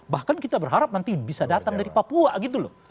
bahkan kita berharap nanti bisa datang dari papua gitu loh